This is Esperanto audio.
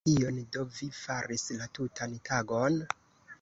Kion do vi faris la tutan tagon?